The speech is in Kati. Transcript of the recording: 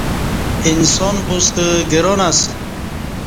انسان بوستہ گران اسہ